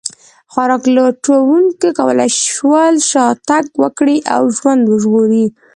خوراک لټونکو کولی شول شا تګ وکړي او ژوند وژغوري.